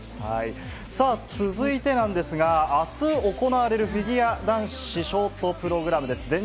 さあ、続いてなんですが、あす行われるフィギュア男子ショートプログラムです。